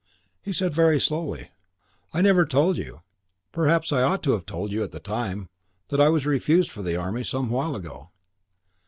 He said very slowly, "I never told you, perhaps I ought to have told you at the time, that I was refused for the Army some while ago."